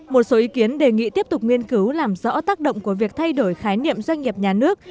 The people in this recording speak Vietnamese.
một số ý kiến đề nghị tiếp tục nghiên cứu làm rõ tác động của việc thay đổi khái niệm doanh nghiệp nhà nước